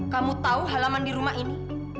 kamu tahu halaman di rumah ini